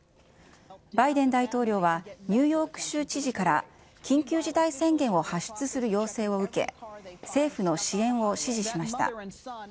バイデン大統領は、ニューヨーク州知事から緊急事態宣言を発出する要請を受け、政府の支援を指示しました。